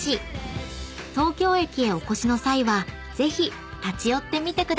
［東京駅へお越しの際はぜひ立ち寄ってみてください］